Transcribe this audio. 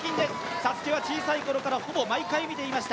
ＳＡＳＵＫＥは小さいころからほぼ毎回、見ていました。